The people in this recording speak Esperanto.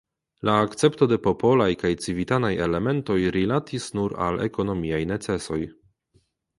La akcepto de popolaj kaj civitanaj elementoj rilatis nur al ekonomiaj necesoj.